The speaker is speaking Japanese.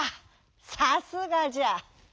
さすがじゃ！